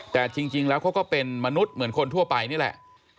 แต่จริงแล้วเขาก็เป็นมนุษย์เหมือนคนทั่วไปนี่แหละ